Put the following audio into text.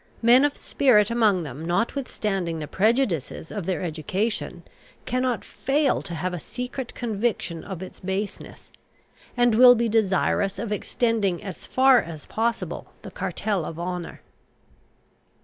Men of spirit among them, notwithstanding the prejudices of their education, cannot fail to have a secret conviction of its baseness, and will be desirous of extending as far as possible the cartel of honour.